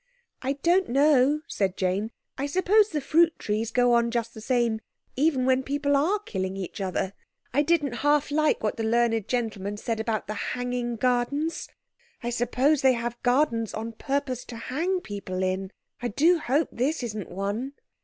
"I don't know," said Jane. "I suppose the fruit trees go on just the same even when people are killing each other. I didn't half like what the learned gentleman said about the hanging gardens. I suppose they have gardens on purpose to hang people in. I do hope this isn't one."